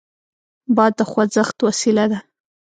باد د خوځښت وسیله ده.